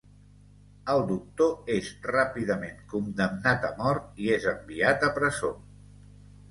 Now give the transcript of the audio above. El doctor és ràpidament condemnat a mort i és enviat a presó.